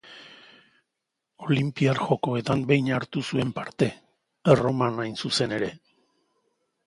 Olinpiar Jokoetan behin hartu zuen parte: Erroman hain zuzen ere.